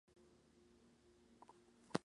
Juega de mediocentro defensivo.